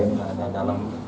gak ada lagi